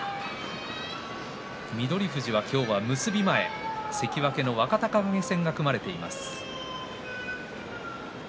翠富士は今日は結び前関脇の若隆景戦が組まれています。